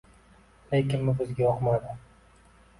Lekin bu bizga yoqmaydi